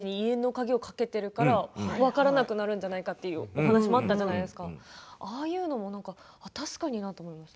無意識のうちに家の鍵をかけているから分からなくなるんじゃないかという話があったじゃないですかああいうのも確かになと思いました。